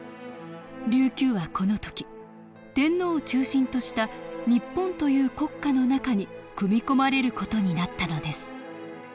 琉球はこの時天皇を中心とした日本という国家の中に組み込まれる事になったのです。